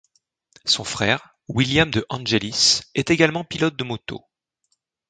Son frère William De Angelis est également pilote de moto.